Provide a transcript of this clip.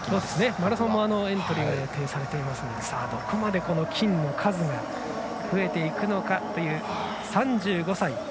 マラソンもエントリーが予定されていますのでどこまで金の数が増えていくのかという３５歳。